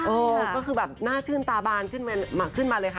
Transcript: ก็คือแบบน่าชื่นตาบานขึ้นมาเลยค่ะ